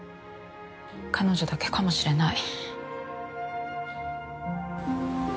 彼女だけかもしれない。